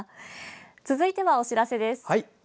続いては、お知らせです。